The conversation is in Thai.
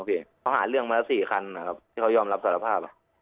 เพราะหาเรื่องมาแล้ว๔คันนะครับที่เขายอมรับสารภาพ